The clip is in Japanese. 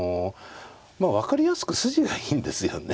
分かりやすく筋がいいんですよね。